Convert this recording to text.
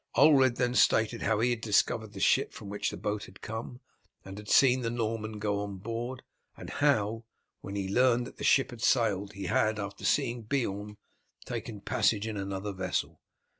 Ulred then stated how he had discovered the ship from which the boat had come, and had seen the Norman go on board, and how, when he learned that the ship had sailed, he had, after seeing Beorn, taken passage in another vessel.